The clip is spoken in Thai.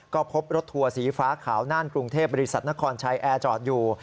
ก็พบรถทัวร์สีฟ้าขาวน่านกรุงเทพบริษัทนครชัยแอร์จอดอยู่